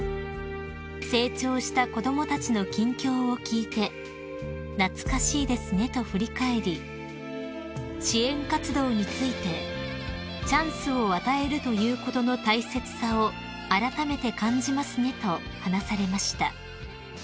［成長した子供たちの近況を聞いて「懐かしいですね」と振り返り支援活動について「チャンスを与えるということの大切さをあらためて感じますね」と話されました］